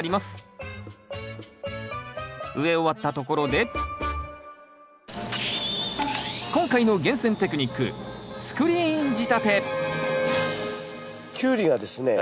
植え終わったところで今回の厳選テクニックキュウリがですね